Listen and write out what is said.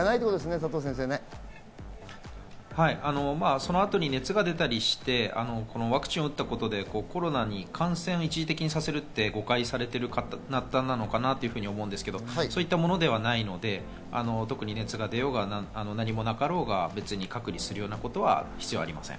そのあとに熱が出たりしてワクチンを打ったことでコロナに一時的に感染させるって誤解されている方かなと思うんですけど、そういったものではないので、特に熱が出ようが、何もなかろうが隔離するようなことは必要ありません。